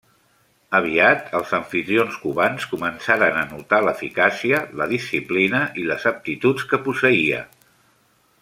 Aviat, els amfitrions cubans començaren a notar l'eficàcia, la disciplina i les aptituds que posseïa.